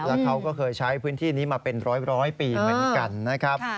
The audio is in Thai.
แล้วเขาก็เคยใช้พื้นที่นี้มาเป็นร้อยปีเหมือนกันนะครับ